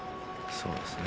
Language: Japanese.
そうですね。